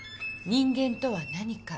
人間とは何か？